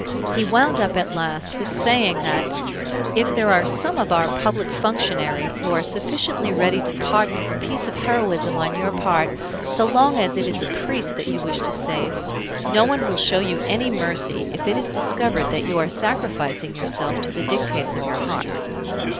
He wound up at last with saying that "if there are some of our public functionaries who are sufficiently ready to pardon a piece of heroism on your part so long as it is a priest that you wish to save, no one will show you any mercy if it is discovered that you are sacrificing yourself to the dictates of your heart."